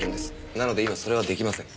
なので今それは出来ません。